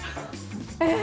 えっ！